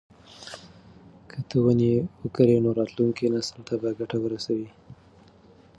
که ته ونې وکرې نو راتلونکي نسل ته به ګټه ورسوي.